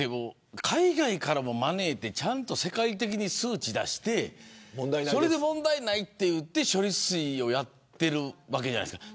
海外からも招いて世界的にちゃんと数値を出してそれで問題ないと言って処理水をやってるわけじゃないですか。